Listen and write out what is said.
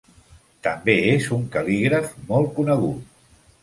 També és un cal·lígraf molt conegut.